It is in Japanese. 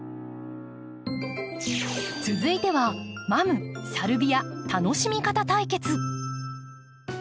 続いてはマムサルビア楽しみ方対決！